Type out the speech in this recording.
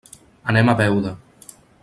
Anem a Beuda.